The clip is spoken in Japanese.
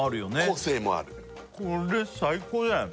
個性もあるこれ最高じゃない？